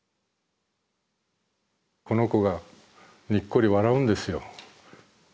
この子がにっこり笑うんですよ。